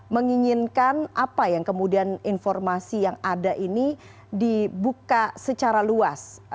menginginkan apa yang kemudian informasi yang ada ini dibuka secara luas